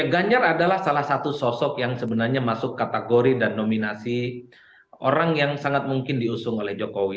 ganjar adalah salah satu sosok yang sebenarnya masuk kategori dan nominasi orang yang sangat mungkin diusung oleh jokowi